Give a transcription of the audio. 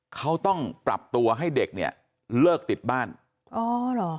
เขาต้องปรับตัวให้เด็กเนี่ยเลิกติดบ้านอ๋อเหรอ